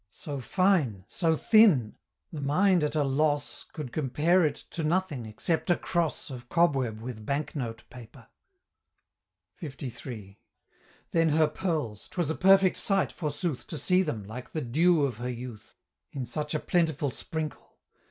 So fine! so thin! the mind at a loss Could compare it to nothing except a cross Of cobweb with bank note paper. LIII. Then her pearls 'twas a perfect sight, forsooth, To see them, like "the dew of her youth," In such a plentiful sprinkle.